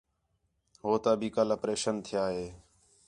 ہو تا بھی کل اپریشن تِھیا ہِے